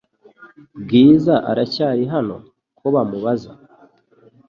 Bwiza aracyari hano? Ko bamubaza